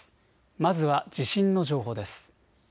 まずは地震の情報です。